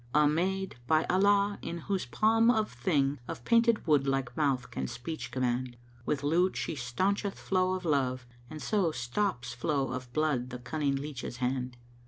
A maid, by Allah, in whose palm a thing * Of painted wood like mouth can speech command. With lute she stauncheth flow of Love; and so * Stops flow of blood the cunning leach's hand."